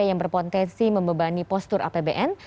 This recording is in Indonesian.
yang berpotensi membebani postur apbn